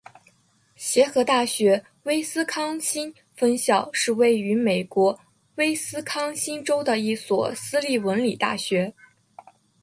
协和大学威斯康辛分校是位于美国威斯康辛州的一所私立文理大学。